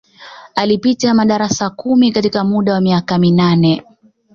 Alipita madarasa kumi katika muda wa miaka minane